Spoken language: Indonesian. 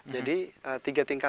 jadi tiga tingkat